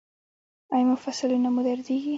ایا مفصلونه مو دردیږي؟